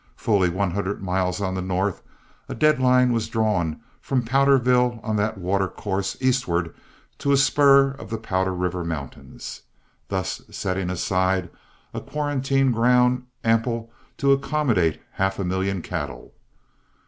Fully one hundred miles on the north, a dead line was drawn from Powderville on that watercourse eastward to a spur of the Powder River Mountains, thus setting aside a quarantine ground ample to accommodate half a million cattle.